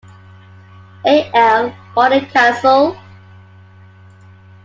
A. L. Bonnycastle.